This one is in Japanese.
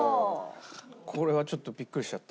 これはちょっとビックリしちゃった。